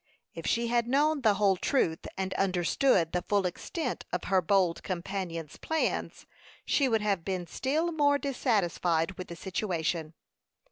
If she had known the whole truth, and understood the full extent of her bold companion's plans, she would have been still more dissatisfied with the situation.